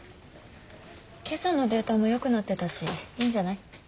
けさのデータも良くなってたしいいんじゃない？